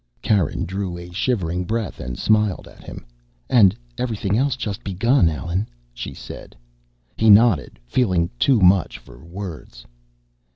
Karen drew a shivering breath and smiled at him. "And everything else just begun, Allen," she said. He nodded, feeling too much for words.